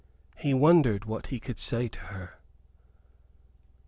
He wondered what he could say to her.